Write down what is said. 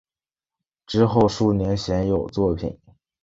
之后数年鲜有作品。